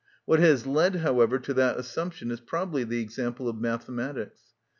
What has led, however, to that assumption is probably the example of mathematics.